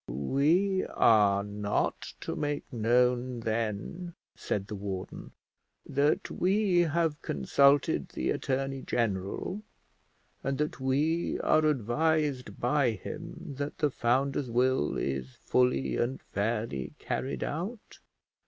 "We are not to make known then," said the warden, "that we have consulted the attorney general, and that we are advised by him that the founder's will is fully and fairly carried out."